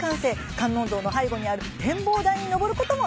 観音像の背後にある展望台に上ることもできますよ。